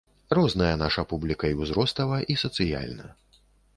Розная наша публіка, і ўзростава і сацыяльна.